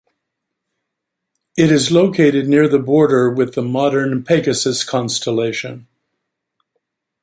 It is located near the border with the modern Pegasus constellation.